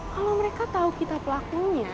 kalau mereka tahu kita pelakunya